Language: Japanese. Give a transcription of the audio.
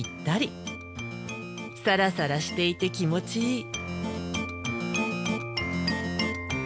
サラサラしていて気持ちいい。